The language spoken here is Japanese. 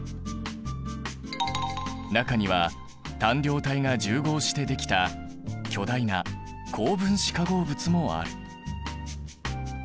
中には単量体が重合してできた巨大な高分子化合物もある。